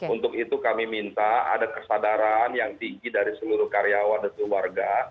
untuk itu kami minta ada kesadaran yang tinggi dari seluruh karyawan dan keluarga